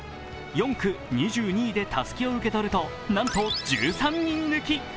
４区２２位でたすきを受け取るとなんと１３人抜き。